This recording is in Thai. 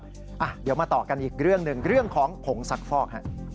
เดี๋ยวมาต่อกันอีกเรื่องหนึ่งเรื่องของผงซักฟอก